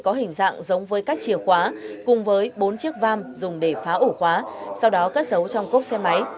có hình dạng giống với các chìa khóa cùng với bốn chiếc vam dùng để phá ổ khóa sau đó cất dấu trong cốc xe máy